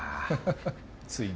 ついに。